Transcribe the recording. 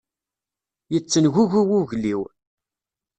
Yettengugu wugel-iw.